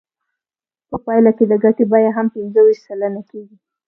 په پایله کې د ګټې بیه هم پنځه ویشت سلنه کېږي